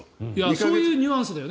そういうニュアンスですよね